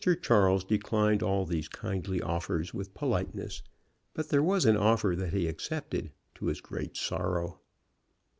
Charles declined all these INTERRUPTED WEDDING TRIP CC kindly offers with politeness, but there was an offer that he accepted, to his great sorrow.